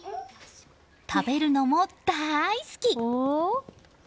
食べるのも大好き！